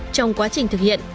trong quá trình thực hiện